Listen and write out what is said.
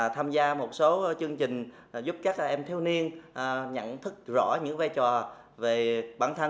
tham gia một số chương trình giúp các em thiếu niên nhận thức rõ những vai trò về bản thân